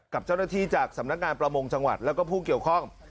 กับเจ้าหน้าที่จากสำนักงานประมงจังหวัดแล้วก็ผู้เกี่ยวข้อง